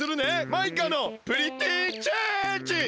マイカのプリティーチェンジ！